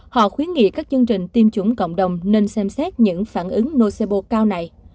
họ khuyến nghị các chương trình tiêm chủng cộng đồng nên xem xét những phản ứng nocibo cao này